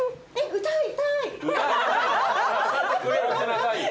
歌わせなさいよ。